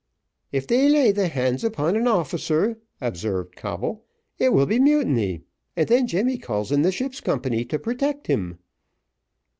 "If they lays their hands upon an officer," observed Coble, "it will be mutiny; and then Jemmy calls in the ship's company to protect him."